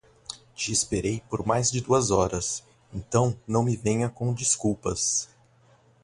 Te esperei por mais de duas horas, então não me venha com desculpas.